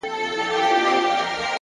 د باران ورو کېدل د سکون احساس زیاتوي’